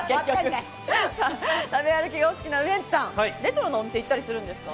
食べ歩きがお好きなウエンツさん、レトロなお店、行きますか？